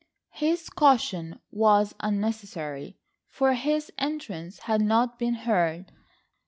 His caution was unnecessary, for his entrance had not been heard.